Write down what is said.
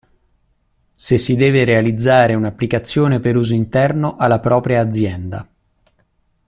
Se si deve realizzare un'applicazione per uso interno alla propria azienda.